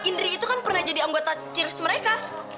ndri itu kan pernah jadi anggota cheers mereka